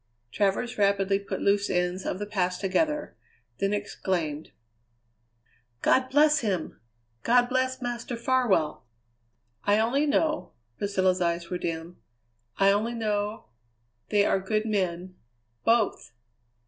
Travers rapidly put loose ends of the past together, then exclaimed: "God bless him; God bless Master Farwell!" "I only know" Priscilla's eyes were dim "I only know they are good men both!"